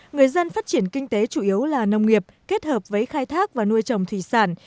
người dân phát triển kinh tế chủ yếu là nông nghiệp kết hợp với khai thác và nuôi trồng thủy sản